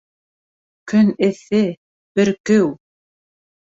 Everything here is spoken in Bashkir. Көн эҫе, бөркөү.